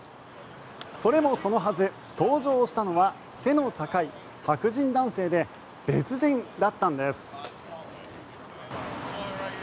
それもそのはず登場したのは背の高い白人男性で別人だったんです。